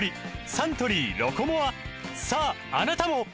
サントリー「ロコモア」さああなたも！